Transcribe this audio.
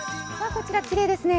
こちらきれいですね。